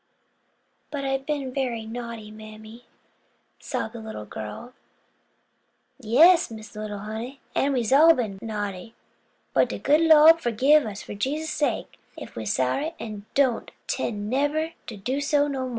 "But I've been very naughty, mammy," sobbed the little girl. "Yes, Miss Wi'let, honey: an' we's all been naughty, but de good Lord forgib us for Jesus' sake if we's sorry an' don't 'tend neber to do so no mo'."